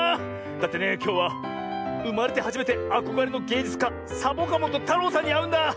だってねきょうはうまれてはじめてあこがれのげいじゅつかサボカもとたろうさんにあうんだ。